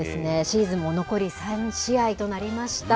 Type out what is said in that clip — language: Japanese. シーズンも残り３試合となりました。